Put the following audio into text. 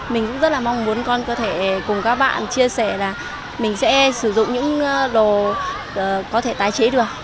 mình cũng rất là mong muốn con có thể cùng các bạn chia sẻ là mình sẽ sử dụng những đồ có thể tái chế được